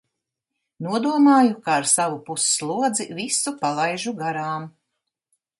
Nodomāju, ka ar savu pusslodzi visu palaižu garām.